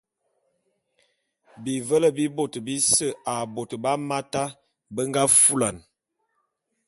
Bivele bi bôt bise a bôt bé Hamata be nga fulane.